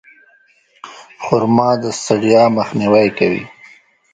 خرما د ستړیا مخنیوی کوي.